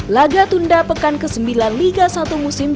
laga tunda pekan ke sembilan liga satu musim dua ribu dua